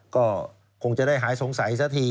ก็คงจะได้หายสงสัยซะที